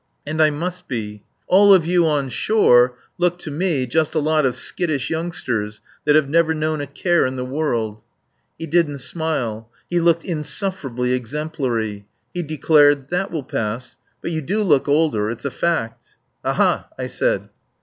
And I must be. All of you on shore look to me just a lot of skittish youngsters that have never known a care in the world." He didn't smile. He looked insufferably exemplary. He declared: "That will pass. But you do look older it's a fact." "Aha!" I said.